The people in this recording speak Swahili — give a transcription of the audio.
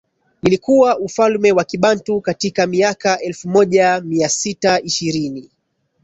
lilikuwa ufalme wa Kibantu katika miaka elfu moja Mia sits ishirini